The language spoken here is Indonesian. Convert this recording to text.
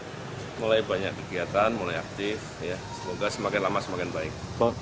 sudah mulai banyak kegiatan mulai aktif semoga semakin lama semakin baik